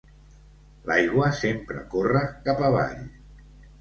L'aigua sempre corre cap avall.